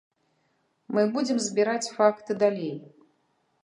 Мы будзем збіраць факты далей.